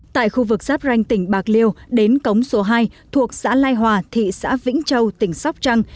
tại khu vực giáp ranh tỉnh bạc liêu đến cống số hai thuộc xã lai hòa thị xã vĩnh châu tỉnh sóc trăng